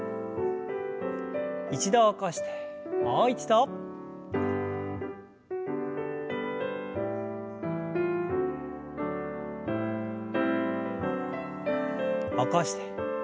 一度起こしてもう一度。起こして。